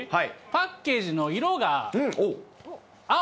パッケージの色が青。